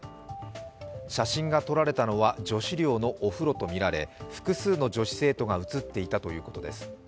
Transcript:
写真が撮られたのは女子寮のお風呂とみられ複数の女子生徒が映っていたということです。